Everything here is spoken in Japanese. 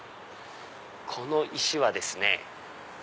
この石はですね